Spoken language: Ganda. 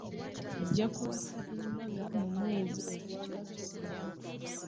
Nja kuwasa embaga mu mwezi ogwa Gatonnya.